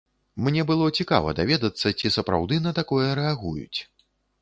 Мне было цікава даведацца, ці сапраўды на такое рэагуюць.